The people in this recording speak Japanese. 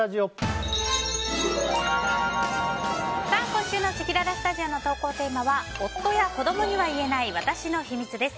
今週のせきららスタジオの投稿テーマは夫や子供には言えない私の秘密です。